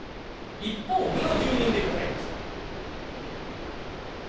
一方上の住人でございました。